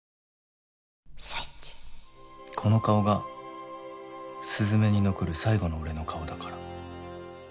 この顔が鈴愛に残る最後の俺の顔だから。